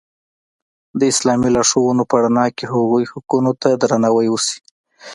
د اسلامي لارښوونو په رڼا کې هغوی حقونو ته درناوی وشي.